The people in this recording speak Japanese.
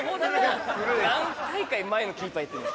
何大会前のキーパー言ってんの？